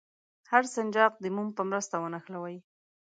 هر سنجاق د موم په مرسته ونښلوئ.